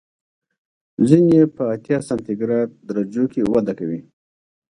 ځینې یې په اتیا سانتي ګراد درجو کې وده کوي.